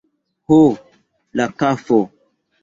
Ho, la kafo!